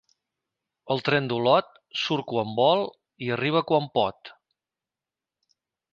El tren d'Olot surt quan vol i arriba quan pot.